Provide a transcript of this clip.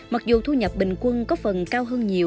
mặc dù thu nhập bình quân có phần cao hơn nhiều